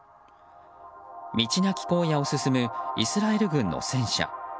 道なき荒野を進むイスラエル軍の戦車。